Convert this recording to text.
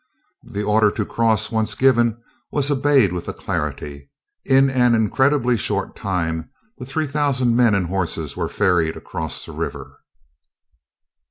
The order to cross once given, was obeyed with alacrity. In an incredibly short time the three thousand men and horses were ferried across the river.